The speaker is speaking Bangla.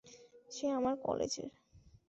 সে আমার কলেজের।